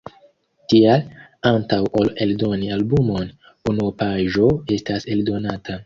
Tial, antaŭ ol eldoni albumon, unuopaĵo estas eldonata.